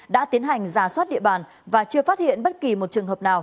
đã tiến hành giả soát địa bàn và chưa phát hiện bất kỳ một trường hợp nào